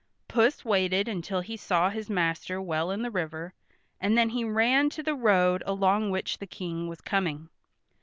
Puss waited until he saw his master well in the river, and then he ran to the road along which the King was coming.